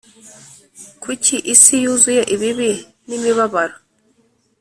Kuki isi yuzuye ibibi n imibabaro